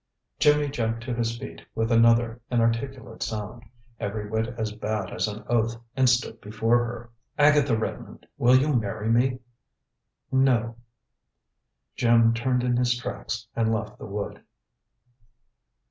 Jimmy jumped to his feet with another inarticulate sound, every whit as bad as an oath, and stood before her. "Agatha Redmond, will you marry me?" "No." Jim turned in his tracks and left the wood.